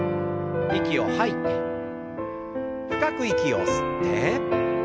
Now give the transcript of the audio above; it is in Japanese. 息を吐いて深く息を吸って。